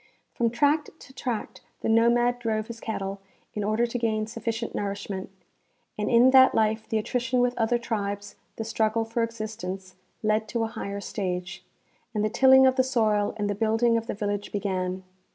From tract to tract the nomad drove his cattle in order to gain sufficient nourishment, and in that life the attrition with other tribes, the struggle for existence, led to a higher stage, and the tilling of the soil and the building of the village began.